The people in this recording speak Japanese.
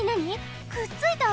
くっついた！？